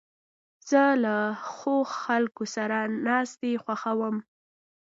زه له ښو خلکو سره ناستې خوښوم.